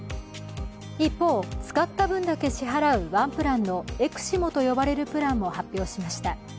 一方、使った分だけ支払うワンプランのｅｘｉｍｏと呼ばれるプランも発表しました。